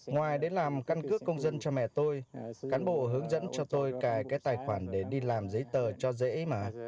ngoài đến làm căn cước công dân cho mẹ tôi cán bộ hướng dẫn cho tôi cài cái tài khoản để đi làm giấy tờ cho dễ mà